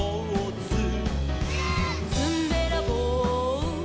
「ずんべらぼう」「」